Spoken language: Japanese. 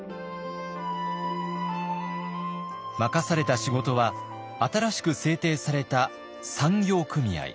任された仕事は新しく制定された産業組合。